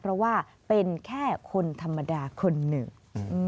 เพราะว่าเป็นแค่คนธรรมดาคนหนึ่ง